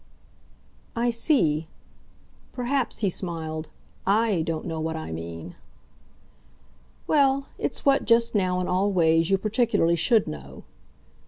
"I see. Perhaps," he smiled, "I don't know what I mean." "Well, it's what, just now, in all ways, you particularly should know."